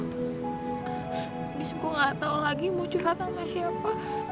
abis gue gak tau lagi mau cerita sama siapa